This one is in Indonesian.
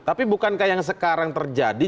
tapi bukankah yang sekarang terjadi